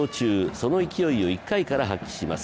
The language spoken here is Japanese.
その勢いを１回から発揮します。